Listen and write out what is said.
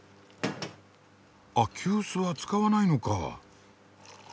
あっ急須は使わないのか。